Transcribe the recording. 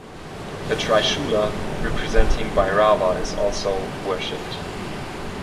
A trishula representing Bhairava is also worshipped.